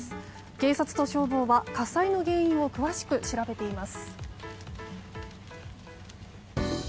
警察と消防は火災の原因を詳しく調べています。